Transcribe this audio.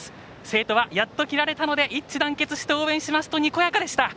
生徒はやっと着られたので一致団結して応援します！とにこやかでした。